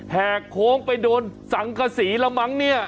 แหกโค้งไปโดนสังกษีแล้วมั้งเนี่ย